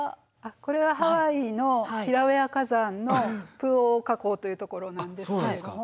これはハワイのキラウエア火山のプウオオ火口というところなんですけれども。